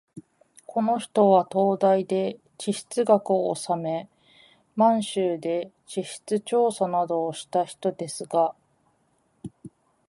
この人は東大で地質学をおさめ、満州で地質調査などをした人ですが、